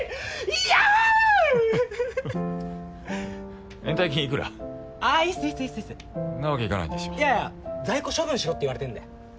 いやいや在庫は処分しろって言われてるんで。